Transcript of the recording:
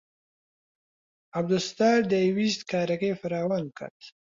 عەبدولستار دەیویست کارەکەی فراوان بکات.